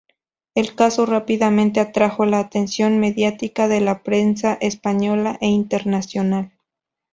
El caso rápidamente atrajo la atención mediática de la prensa española e internacional.